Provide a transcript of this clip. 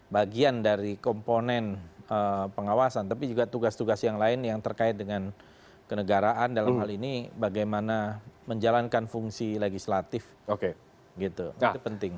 bagian dari komponen pengawasan tapi juga tugas tugas yang lain yang terkait dengan kenegaraan dalam hal ini bagaimana menjalankan fungsi legislatif gitu itu penting